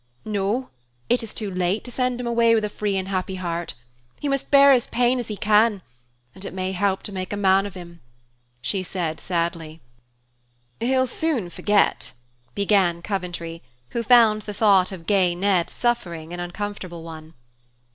"No, it is too late to send him away with a free and happy heart. He must bear his pain as he can, and it may help to make a man of him," she said sadly. "He'll soon forget," began Coventry, who found the thought of gay Ned suffering an uncomfortable one.